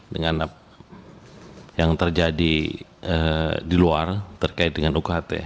dengan yang terjadi di luar terkait dengan ukht